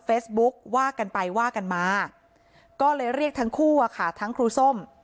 ว่ากันไปว่ากันมาก็เลยเรียกทั้งคู่อะค่ะทั้งครูส้ม